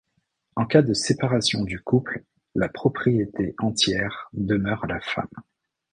En cas de séparation du couple, la propriété entière demeure à la femme.